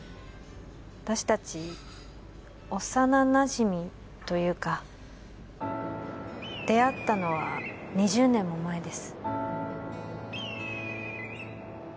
私達幼なじみというか出会ったのは２０年も前です